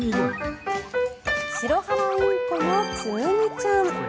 シロハラインコのつむぎちゃん。